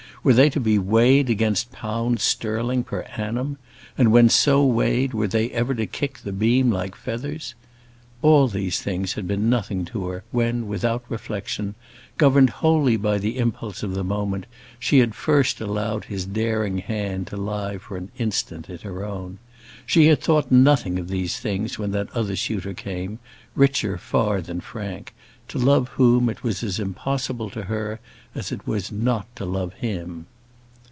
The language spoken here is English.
Were they to be weighed against pounds sterling per annum? and, when so weighed, were they ever to kick the beam like feathers? All these things had been nothing to her when, without reflection, governed wholly by the impulse of the moment, she had first allowed his daring hand to lie for an instant in her own. She had thought nothing of these things when that other suitor came, richer far than Frank, to love whom it was as impossible to her as it was not to love him.